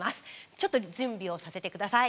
ちょっと準備をさせて下さい。